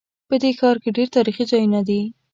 په دې ښار کې ډېر تاریخي ځایونه دي